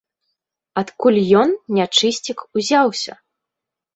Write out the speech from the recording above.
Адкуль ён, нячысцік, узяўся?